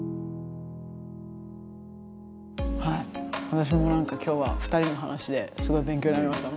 私も何か今日は２人の話ですごい勉強になりました。